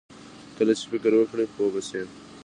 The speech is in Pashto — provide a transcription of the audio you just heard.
کله چې فکر وکړې، پوه به شې!